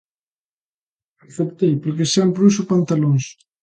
Aceptei porque sempre uso pantalóns.